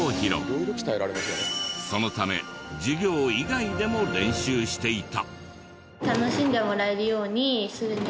そのため授業以外でも練習していた。